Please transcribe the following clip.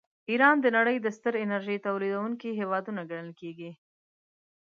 ایران د نړۍ د ستر انرژۍ تولیدونکي هېوادونه ګڼل کیږي.